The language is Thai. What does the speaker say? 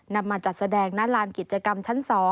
นำมาจัดแสดงณลานกิจกรรมชั้น๒